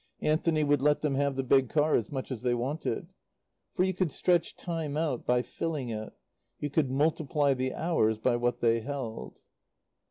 Anthony would let them have the big car as much as they wanted. For you could stretch time out by filling it; you could multiply the hours by what they held.